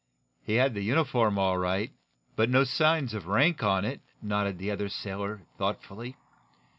"He had the uniform, all right but no signs of rank on it," nodded the other sailor, thoughtfully.